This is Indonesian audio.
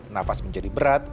nafas menjadi berat